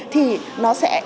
thì nó sẽ